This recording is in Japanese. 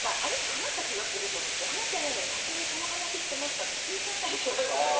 話した気がすると思って話してないのに先に「この話してますか？」って聞いちゃったりしますね。